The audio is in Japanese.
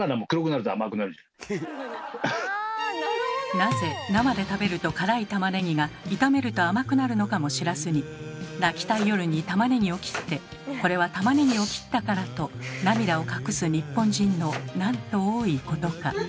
なぜ生で食べると辛いたまねぎが炒めると甘くなるのかも知らずに泣きたい夜にたまねぎを切って「これはたまねぎを切ったから」と涙を隠す日本人のなんと多いことか。